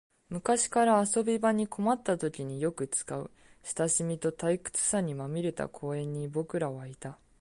昔から遊び場に困ったときによく使う、親しみと退屈さにまみれた公園に僕らはいた